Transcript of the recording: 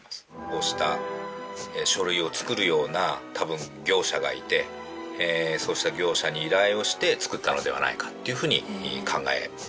こうした書類を作るような多分業者がいてそうした業者に依頼をして作ったのではないかっていう風に考えられてます。